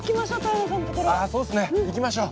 行きましょう。